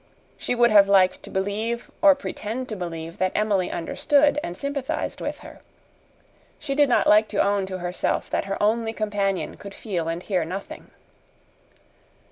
She would have liked to believe or pretend to believe that Emily understood and sympathized with her. She did not like to own to herself that her only companion could feel and hear nothing.